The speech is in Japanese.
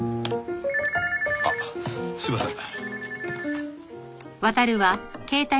あっすいません。